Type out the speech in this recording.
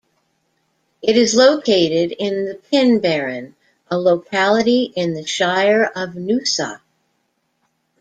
It is located in the Pinbarren, a locality in the Shire of Noosa.